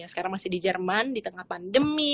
sekarang masih di jerman di tengah pandemi